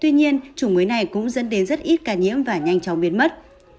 tuy nhiên chủng mới này cũng dẫn đến rất ít ca nhiễm và nhanh chóng biến mất